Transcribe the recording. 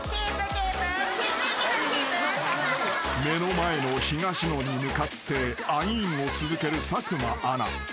［目の前の東野に向かってアイーンを続ける佐久間アナ］